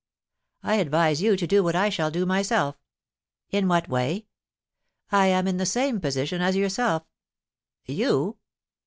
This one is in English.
"I advise you to do what I shall do myself." "In what way?" "I am in the same position as yourself." "You?"